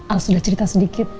al sudah cerita sedikit